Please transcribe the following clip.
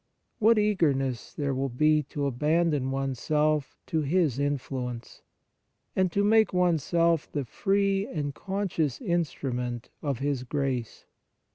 What eagerness there will be to abandon oneself to His influence, and to make oneself the free and conscious instrument of His grace